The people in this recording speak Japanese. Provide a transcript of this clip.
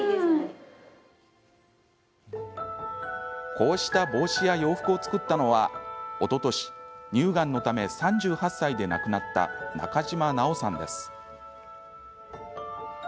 こうした帽子や洋服を作ったのはおととし、乳がんのため３８歳で亡くなった中島ナオさんです。